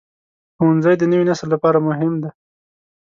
ښوونځی د نوي نسل لپاره مهم دی.